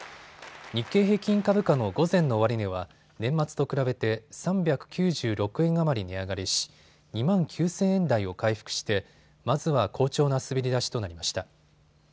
日経平均株価の午前の終値は年末と比べて３９６円余り値上がりし２万９０００円台を回復してまずは好調な滑り出しとなりました。